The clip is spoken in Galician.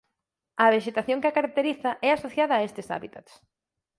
A vexetación que a caracteriza é a asociada a estes hábitats.